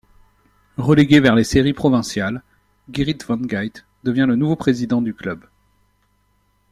Relégué vers les séries provinciales, Gerrit Van Geit devient le nouveau président du club.